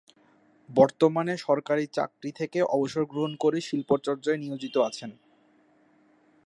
বর্তমানে সরকারি চাকরি থেকে অবসর গ্রহণ করে শিল্পচর্চায় নিয়োজিত আছেন।